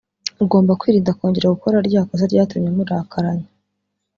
ugomba kwirinda kongera gukora ryakosa ryatumye murakaranya